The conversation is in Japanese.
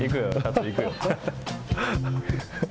行くよ。